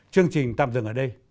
chương trình tạm dừng ở đây